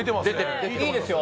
いいですよ